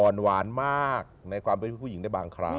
อ่อนหวานมากในความเป็นผู้หญิงได้บางครั้ง